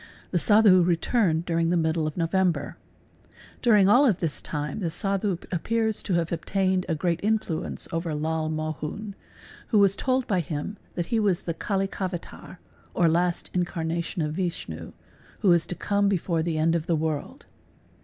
The Sadhu returned during the middle of _ November. During all this time the Sadhu appears to have obtained a _ great influence over Lal Mohun, who was told by him that he was the % Kalikavatar or last incarnation of Vishnu, who is to come before the i end of the world.